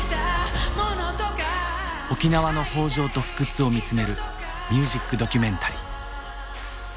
沖縄の豊饒と不屈を見つめるミュージックドキュメンタリー。